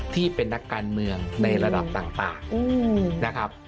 ที่เป็นนักการเมืองในระดับต่างนะครับ